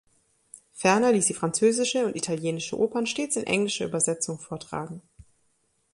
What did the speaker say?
Ferner ließ sie französische und italienische Opern stets in englischer Übersetzung vortragen.